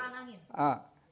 ini arah sebaran angin